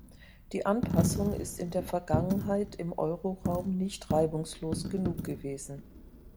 Die Anpassung ist in der Vergangenheit im Euroraum nicht reibungslos genug gewesen.